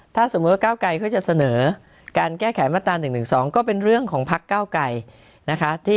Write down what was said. ถ้าสมมุติว่าก้าวไกรเขาจะเสนอการแก้ไขมาตรา๑๑๒ก็เป็นเรื่องของพักเก้าไกรนะคะ